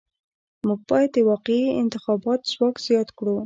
موږ باید د واقعي انتخاب ځواک زیات کړو.